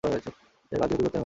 কাজ যে করতেই হবে, এমন নয়।